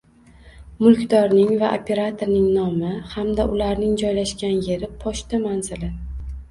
mulkdorning va operatorning nomi hamda ularning joylashgan yeri, pochta manzili